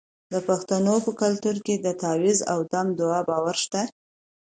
د پښتنو په کلتور کې د تعویذ او دم دعا باور شته.